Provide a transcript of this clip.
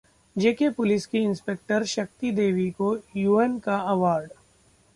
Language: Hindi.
J-K पुलिस की इंस्पेक्टर शक्ति देवी को यूएन का अवॉर्ड